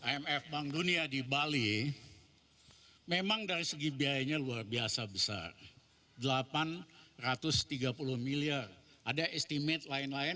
imf bank dunia di bali memang dari segi biayanya luar biasa besar delapan ratus tiga puluh miliar ada estimate lain lain